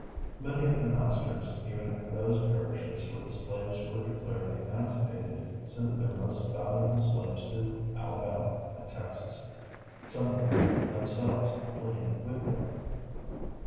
Many of the masters even in those parishes where the slaves were declared emancipated sent their most valuable slaves to Alabama and Texas, some of them themselves fleeing with them.